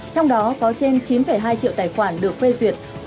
trong đó có trên chín hai triệu tài khoản được phê duyệt